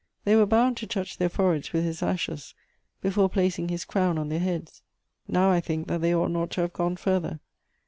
They were bound to touch their foreheads with his ashes, before placing his crown on their heads. Now I think that they ought not to have gone further.